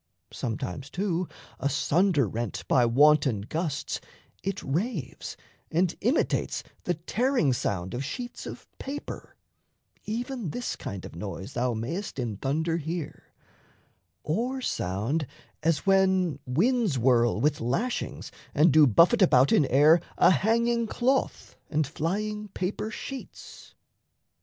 Sometimes, too, Asunder rent by wanton gusts, it raves And imitates the tearing sound of sheets Of paper even this kind of noise thou mayst In thunder hear or sound as when winds whirl With lashings and do buffet about in air A hanging cloth and flying paper sheets.